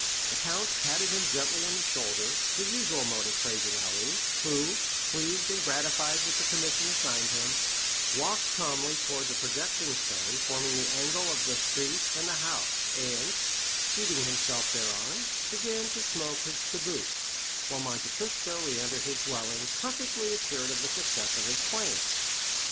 The count patted him gently on the shoulder, his usual mode of praising Ali, who, pleased and gratified with the commission assigned him, walked calmly towards a projecting stone forming the angle of the street and house, and, seating himself thereon, began to smoke his chibouque, while Monte Cristo re entered his dwelling, perfectly assured of the success of his plan.